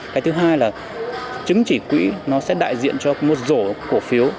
cái thứ hai là trứng chỉ quỹ sẽ đại diện cho một rổ cổ phiếu